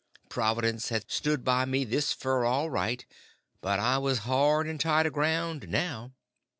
Providence had stood by me this fur all right, but I was hard and tight aground now.